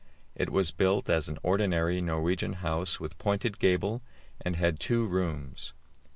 It was built as an ordinary Norwegian house, with pointed gable, and had two rooms.